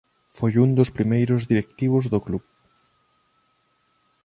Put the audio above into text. Foi un dos primeiros directivos do club.